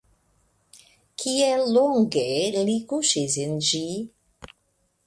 Kiel longe li kuŝis en ĝi?